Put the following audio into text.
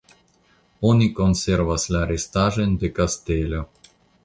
Oni konservas la restaĵojn de kastelo.